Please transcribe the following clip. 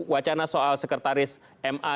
wacana soal sekretaris ma